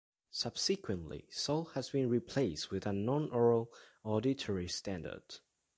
Subsequently, salt has been replaced with a non-oral auditory standard.